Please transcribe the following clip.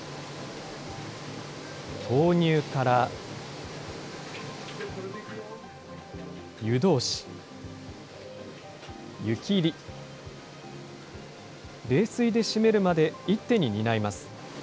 投入から、湯通し、湯切り、冷水で締めるまで、一手に担います。